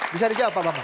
bisa dijawab pak bambang